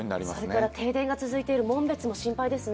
それから停電が続いている紋別も心配ですね。